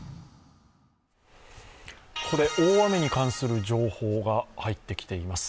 ここで大雨に関する情報が入ってきています。